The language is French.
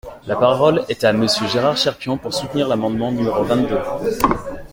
La parole est à Monsieur Gérard Cherpion, pour soutenir l’amendement numéro vingt-deux.